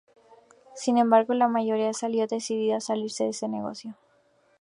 Sin embargo, la mayoría salió decidió salirse de ese negocio.